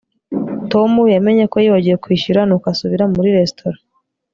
Tom yamenye ko yibagiwe kwishyura nuko asubira muri resitora